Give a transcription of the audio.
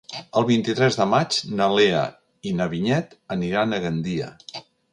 El vint-i-tres de maig na Lea i na Vinyet aniran a Gandia.